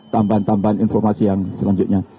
tambahan tambahan informasi yang selanjutnya